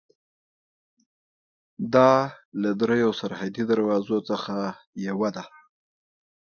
دا د درېیو سرحدي دروازو څخه یوه ده.